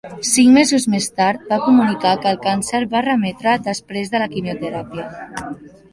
Cinc mesos més tard va comunicar que el càncer va remetre després de la quimioteràpia.